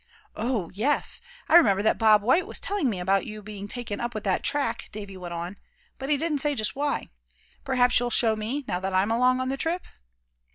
"Oh! yes, I remember that Bob White was telling me about you being taken up with that track," Davy went on; "but he didn't say just why. Perhaps you'll show me, now that I'm along on the trip?"